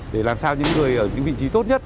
để làm sao những người ở những vị trí tốt nhất